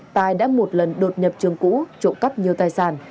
tài đã một lần đột nhập trường cũ trộm cắp nhiều tài sản